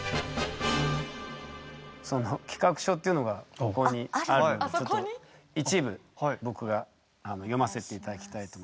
その企画書っていうのがここにあるんでちょっと一部僕が読ませて頂きたいと思います。